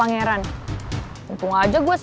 gue meanings the nya udah ke verse